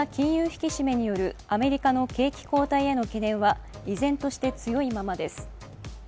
引き締めによるアメリカの景気後退への懸念は依然として強いままです。